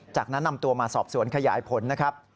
จากนั้นนำตัวมาสอบสวนขยายผลนะครับ